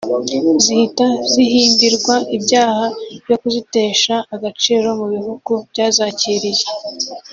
zihita zihimbirwa ibyaha byo kuzitesha agaciro mu bihugu byazakiriye